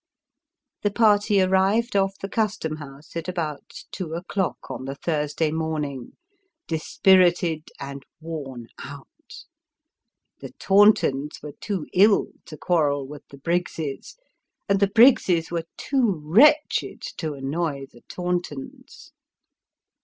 The party arrived off the Custom House at about two o'clock on the Thursday morning dispirited and worn out. The Tauntons were too ill to quarrel with the Briggses, and the Briggses were too wretched to annoy the Tauntons.